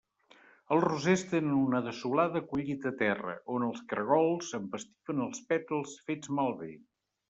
Els rosers tenen una desolada collita a terra, on els caragols empastifen els pètals fets malbé.